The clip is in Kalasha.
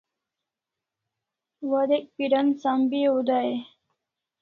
Warek piran sambeaw dai e?